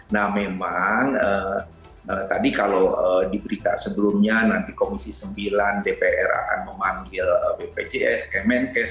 nah memang tadi kalau diberita sebelumnya nanti komisi sembilan dpr akan memanggil bpjs kemenkes